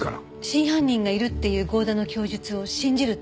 真犯人がいるっていう剛田の供述を信じるって事？